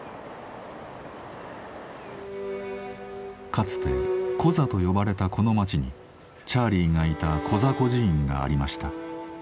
かつて「コザ」と呼ばれたこの町にチャーリーがいたコザ孤児院がありました。